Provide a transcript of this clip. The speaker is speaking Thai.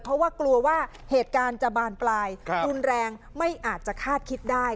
เพราะว่ากลัวว่าเหตุการณ์จะบานปลายรุนแรงไม่อาจจะคาดคิดได้